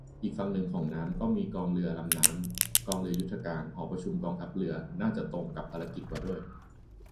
อีกฝั่งนึงของน้ำก็มีกองเรือลำน้ำ กองเรือยุทธการ หอประชุมกองทัพเรือ น่าจะตรงกับภารกิจกว่าด้วย